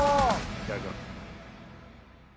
いただきます。